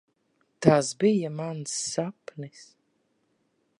Tas bija mans sapnis.